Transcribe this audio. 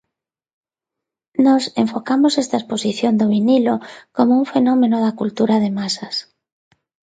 Nós enfocamos esta exposición do vinilo como un fenómeno da cultura de masas.